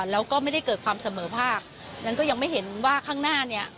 แล้วก็ไม่ได้เกิดความเสมอภาคนั้นก็ยังไม่เห็นว่าข้างหน้าเนี่ย